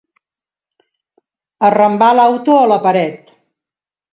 Arrambar l'auto a la paret.